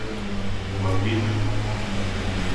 Вас дети ждут.